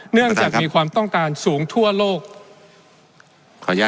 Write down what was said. เนื่องจากมีความต้องการสูงทั่วโลกขออนุญาต